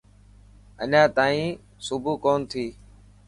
اڃان تائين صبح ڪونه ٿي.